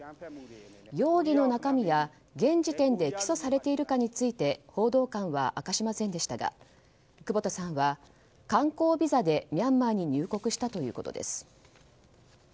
容疑の中身や、現時点で起訴されているかについて報道官は明かしませんでしたが久保田さんは観光ビザでミャンマーに入国したということです。